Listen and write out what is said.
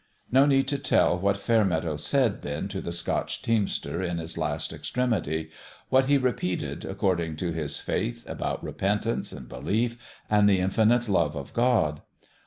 No need to tell what Fairmeadow said then to the Scotch teamster in his last extremity what he repeated, according to his faith, about repent ance and belief and the infinite love of God.